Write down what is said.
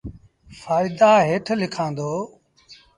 ڦآئيدآ هيٺ لکآݩ دو۔